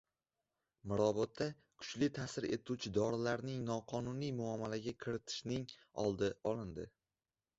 Mirobodda kuchli ta’sir etuvchi dorilarni noqonuniy muomalaga kiritilishining oldi olindi